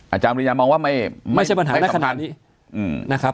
อาจารย์มีริยามองว่าไม่สำคัญ